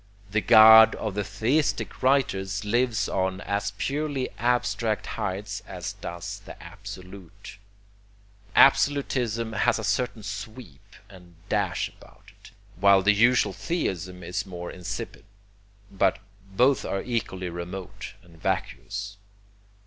The God of the theistic writers lives on as purely abstract heights as does the Absolute. Absolutism has a certain sweep and dash about it, while the usual theism is more insipid, but both are equally remote and vacuous.